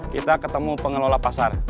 kita ketemu pengelola pasar